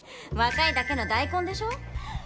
若いだけの大根でしょ。